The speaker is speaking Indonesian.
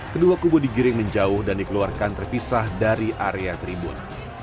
kedua kubu digiring menjauh dan dikeluarkan terpisah dari area tribun